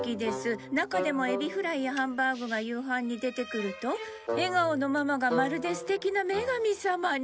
「中でもエビフライやハンバーグが夕飯に出てくると笑顔のママがまるですてきな女神さまに」。